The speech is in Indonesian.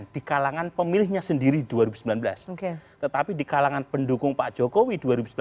di kalangan pemilihnya sendiri dua ribu sembilan belas tetapi di kalangan pendukung pak jokowi dua ribu sembilan belas